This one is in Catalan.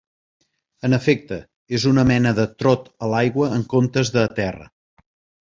En efecte, és una mena de "trot" a l"aigua en comptes de a terra.